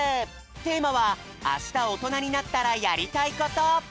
テーマは「あしたおとなになったらやりたいこと」。